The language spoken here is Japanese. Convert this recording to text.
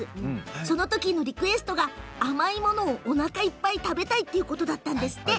そのときのリクエストが甘いものをおなかいっぱい食べたいということだったんですって。